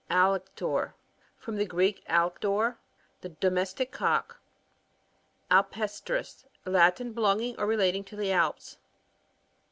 Alector. — From the Greek, alektOr^ the domestic cock. , Alpestris. — Latin. Belonging or re lating to the Alps.